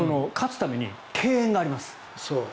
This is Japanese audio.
勝つために敬遠があります。